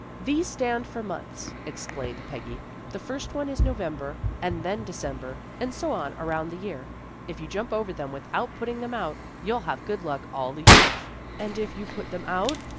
" These stand for the months," explained Peggy; "the first one is November, and then December, and so on around the year. If you jump over them without putting them out, you'll have good luck all the year." " And if you put them out?